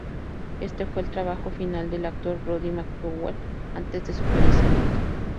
Este fue el trabajo final del actor Roddy McDowall antes de su fallecimiento.